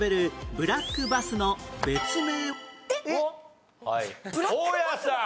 ブラックバスの別名？